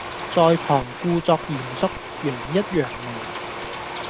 在旁故作嚴肅，揚一揚眉